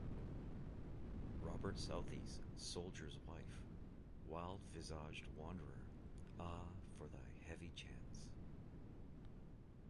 Robert Southey's "Soldier's Wife": "Wild-visaged Wanderer, ah, for thy heavy chance!